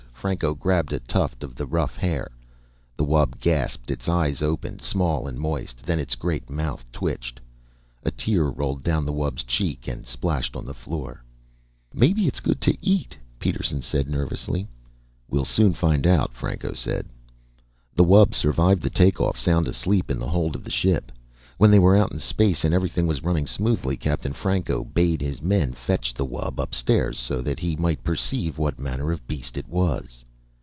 Franco grabbed a tuft of the rough hair. The wub gasped. Its eyes opened, small and moist. Then its great mouth twitched. A tear rolled down the wub's cheek and splashed on the floor. "Maybe it's good to eat," Peterson said nervously. "We'll soon find out," Franco said. The wub survived the take off, sound asleep in the hold of the ship. When they were out in space and everything was running smoothly, Captain Franco bade his men fetch the wub upstairs so that he might perceive what manner of beast it was.